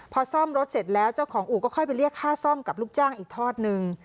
พอซ่อมรถเสร็จแล้วเจ้าของอู่ก็ค่อยไปเรียกค่าซ่อมกับลูกจ้างอีกทอดนึง